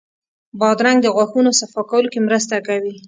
بادرنګ د غاښونو صفا کولو کې مرسته کوي.